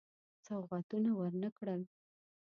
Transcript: سوغاتونه ورنه کړل.